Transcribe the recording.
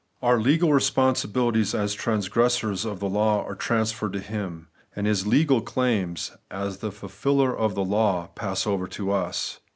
101 Our legal responsibilities as transgressors of the law are transferred to Him ; and His legal claims, as the fulfiller of the law, pass over to us.